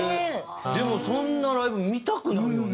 でもそんなライブ見たくなるよね。